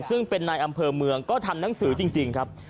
ซึ่งเป็นนายอำเภอเมืองก็ทำหนังสือจริงครับ